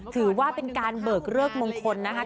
ถือว่าเป็นการเบิกเลิกมงคลนะคะ